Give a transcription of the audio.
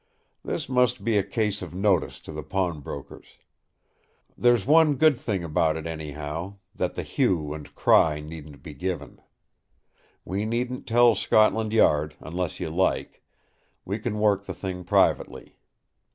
This must be a case of notice to the pawnbrokers. There's one good thing about it, anyhow, that the hue and cry needn't be given. We needn't tell Scotland Yard unless you like; we can work the thing privately.